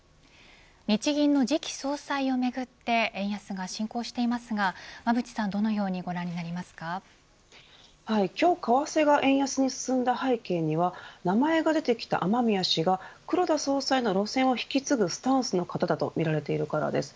日銀の次期総裁をめぐって円安が進行していますが馬渕さんは今日、為替が円安に進んだ背景には名前が出てきた雨宮氏が黒田総裁の路線を引き継ぐスタンスの方だとみられているからです。